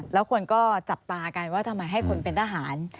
แล้วคนก็จับตากันว่าทำไมให้คนเป็นทหาร